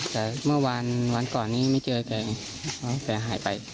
แต่เมื่อวานวันก่อนนี้ไม่เจอแกหายไป